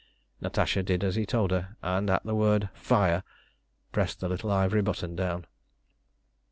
Natasha did as he told her, and at the word "Fire!" pressed the little ivory button down.